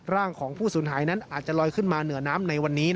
ร่างของผู้สูญหายนั้นอาจจะลอยขึ้นมาเหนือน้ำในวันนี้